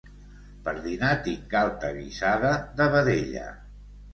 Per dinar tinc galta guisada de vedella